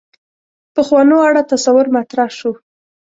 پخوانو اړه تصور مطرح شو.